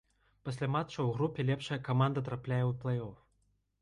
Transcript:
Пасля матчаў у групе лепшая каманда трапляе ў плэй-оф.